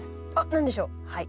何でしょう？